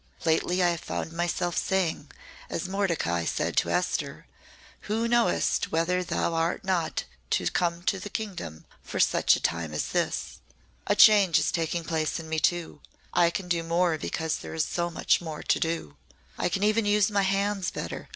Lately I have found myself saying, as Mordecai said to Esther, 'Who knowest whether thou art not come to the kingdom for such a time as this.' A change is taking place in me too. I can do more because there is so much more to do. I can even use my hands better.